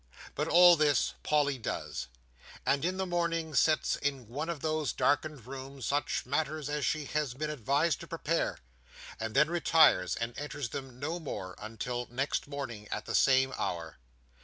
But all this Polly does; and in the morning sets in one of those darkened rooms such matters as she has been advised to prepare, and then retires and enters them no more until next morning at the same hour.